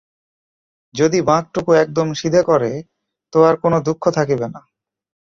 যদি বাঁকটুকু একদম সিধে করে তো আর কোন দুঃখ থাকিবে না।